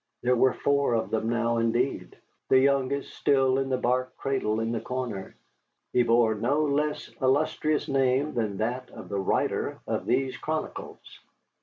There were four of them now, indeed, the youngest still in the bark cradle in the corner. He bore a no less illustrious name than that of the writer of these chronicles.